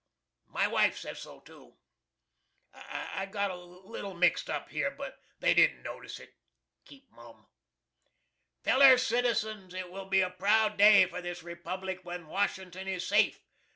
My wife says so too. [I got a little mixed up here, but they didn't notice it. Keep mum.] Feller citizens, it will be a proud day for this Republic when Washington is safe.